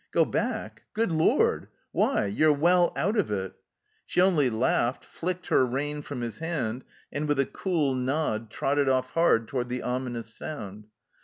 " Go back ? Good lord ! Why ? You're well out of it I" She only laughed, flicked her rein from his hand, and with a cool nod trotted off hard toward the ominous sound.